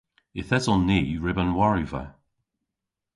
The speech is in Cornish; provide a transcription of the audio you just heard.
Yth eson ni ryb an wariva.